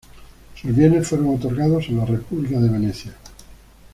Sus bienes fueron otorgados a la república de Venecia.